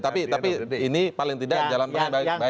tapi ini paling tidak jalan tengah yang baik